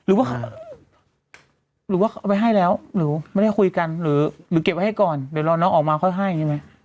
หรือว่าหรือว่าเอาไปให้แล้วหรือไม่ได้คุยกันหรือเก็บไว้ให้ก่อนเดี๋ยวรอน้องออกมาค่อยให้ใช่ไหม